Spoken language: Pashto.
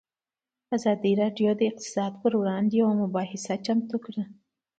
ازادي راډیو د اقتصاد پر وړاندې یوه مباحثه چمتو کړې.